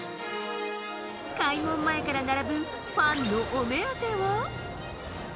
開門前から並ぶ、ファンのお目当ては。